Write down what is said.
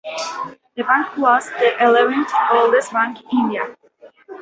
The bank was the eleventh oldest bank in India.